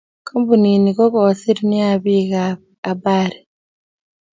Kampunini ko kosir nea bik ab abari.